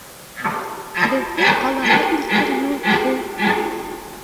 Беҙҙе ҡалаға илтер юл ул.